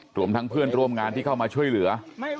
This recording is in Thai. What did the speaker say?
รวมทั้งเพื่อนร่วมงานที่เข้ามาช่วยเหลือ